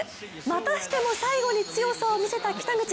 またしても最後に強さを見せた北口。